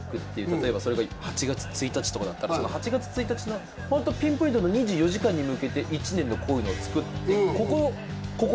例えばそれが８月１日とかだったら８月１日の本当ピンポイントの２４時間に向けて一年のこういうのをつくってここ！